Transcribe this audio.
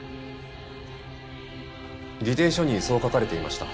議定書にそう書かれていました。